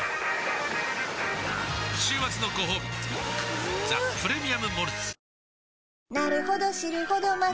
週末のごほうび「ザ・プレミアム・モルツ」